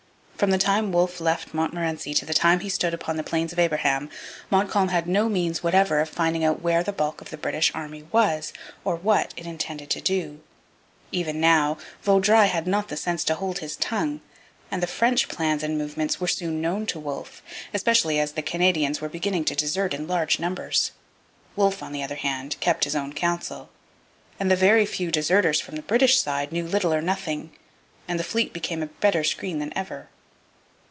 From the time Wolfe left Montmorency to the time he stood upon the Plains of Abraham, Montcalm had no means whatever of finding out where the bulk of the British army was or what it intended to do. Even now, Vaudreuil had not sense enough to hold his tongue, and the French plans and movements were soon known to Wolfe, especially as the Canadians were beginning to desert in large numbers. Wolfe, on the other hand, kept his own counsel; the very few deserters from the British side knew little or nothing, and the fleet became a better screen than ever.